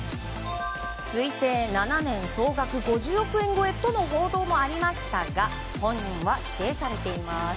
推定７年、総額５０億円超えとの報道がありましたが本人は否定されています。